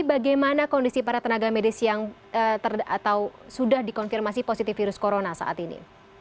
bagaimana kondisi para tenaga medis yang sudah dikonfirmasi positif virus corona saat ini